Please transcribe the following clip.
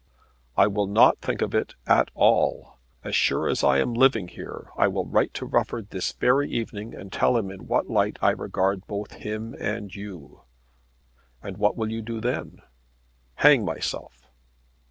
"I will not think of it at all. As sure as I am living here I will write to Rufford this very evening and tell him in what light I regard both him and you." "And what will you do then?" "Hang myself."